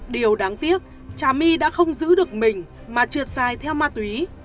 điều đáng tiếc cha my đã không giữ được mình mà trượt dài theo ma túy